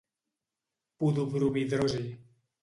Podobromhidrosi.